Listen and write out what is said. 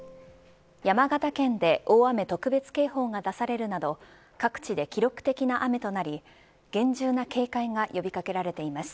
山形県で大雨特別警報が出されるなど各地で記録的な雨となり厳重な警戒が呼び掛けられています。